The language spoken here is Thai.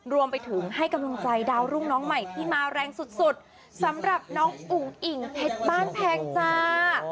รวมไปถึงให้กำลังใจดาวรุ่งน้องใหม่ที่มาแรงสุดสำหรับน้องอุ๋งอิ่งเพชรบ้านแพงจ้า